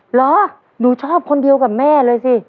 เหรอหนูชอบคนเดียวกับแม่เลยสิ